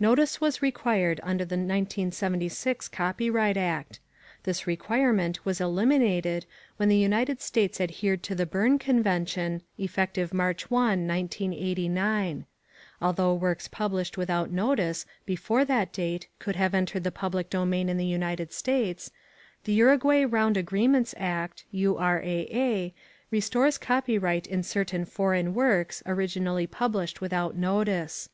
Notice was required under the 1976 Copyright Act. This requirement was eliminated when the United States adhered to the Berne Convention, effective March 1, 1989. Although works published without notice before that date could have entered the public domain in the United States, the Uruguay Round Agreements Act (URAA) restores copyright in certain foreign works originally published without notice.